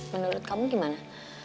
menurut kamu gimana